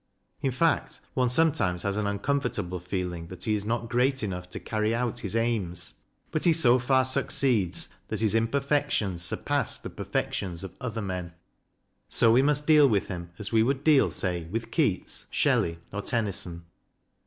In fact, one sometimes has an uncomfortable feeling that he is not great enough to carry out his aims. But he so far succeeds that his imperfections JOHN DAVIDSON: REALIST 191 surpass the perfections of other men. So we must deal with him as we would deal, say, with Keats, Shelley, or Tennyson.